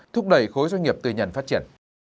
thúc đẩy khối doanh nghiệp tư nhân phát triển